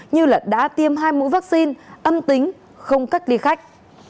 như đã tiêm hai mũi vaccine âm tính không cách ly khách